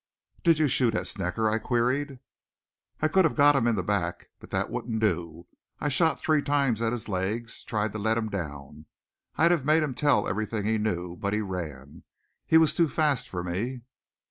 "Did you shoot at Snecker?" I queried. "I could have got him in the back. But that wouldn't do. I shot three times at his legs tried to let him down. I'd have made him tell everything he knew, but he ran. He was too fast for me."